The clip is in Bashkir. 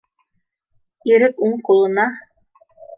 — Ирек уң ҡулына